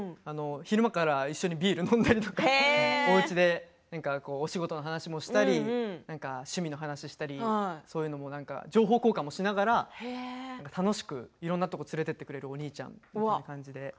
昼間から一緒にビールを飲んだりとかおうちでお仕事の話とかもしたり趣味の話をしたりそういうのも情報交換しながら楽しくいろんなところに連れて行ってくれるお兄ちゃんという感じで。